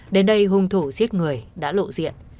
đến đây hung thủ giết người đã lộ diện